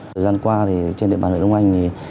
thời gian qua trên địa bàn huyện đông anh